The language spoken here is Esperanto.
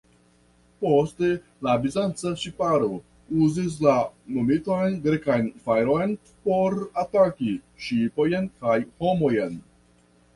Poste la Bizanca ŝiparo uzis la nomitan Grekan fajron por ataki ŝipojn kaj homojn.